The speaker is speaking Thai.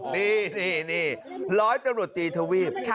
นี่นี่นี่ร้อยตรวจตีเถวีบ